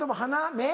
目？